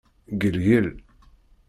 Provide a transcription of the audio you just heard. Ggelgel.